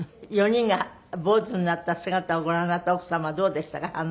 ４人が坊主になった姿をご覧になった奥様はどうでしたか？